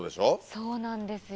そうなんですよ。